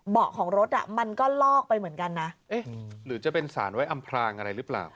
เบาะของรถอ่ะมันก็ลอกไปเหมือนกันนะเอ๊ะหรือจะเป็นสารไว้อำพลางอะไรหรือเปล่า